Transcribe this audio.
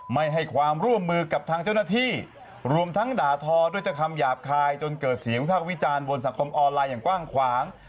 ไม่ให้ความร่วมมือกับทางเจ้าหน้าที่รวมทั้งด่าทอด้วยแต่คำหยาบคายจนเกิดเสียงวิภาควิจารณ์บนสังคมออนไลน์อย่างกว้างขวาง